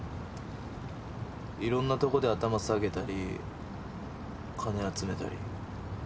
いろんなとこで頭下げたり金集めたり。